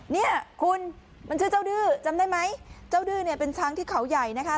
เนี่ยคุณมันชื่อเจ้าดื้อจำได้ไหมเจ้าดื้อเนี่ยเป็นช้างที่เขาใหญ่นะคะ